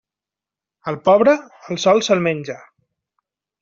Al pobre, el sol se'l menja.